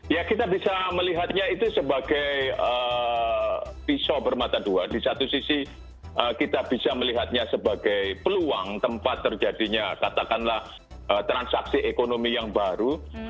ya kita bisa melihatnya itu sebagai pisau bermata dua di satu sisi kita bisa melihatnya sebagai peluang tempat terjadinya katakanlah transaksi ekonomi yang baru